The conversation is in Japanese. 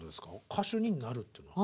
歌手になるっていうのは。